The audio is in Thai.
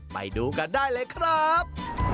ไปดูกันได้เลยครับ